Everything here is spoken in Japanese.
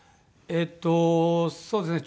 えっとそうですね。